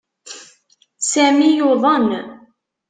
Sami yuḍen.